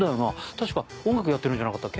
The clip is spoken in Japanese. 確か音楽やってるんじゃなかったっけ？